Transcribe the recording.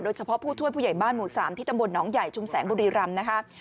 เฉพาะผู้ช่วยผู้ใหญ่บ้านหมู่๓ที่ตำบลหนองใหญ่ชุมแสงบุรีรำนะคะ